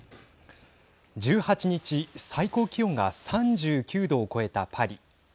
１８日、最高気温が３９度を超えたパリ。